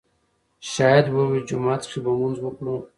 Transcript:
شاهد ووې جومات کښې به مونځ وکړو